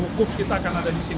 wukuf kita akan ada diberikan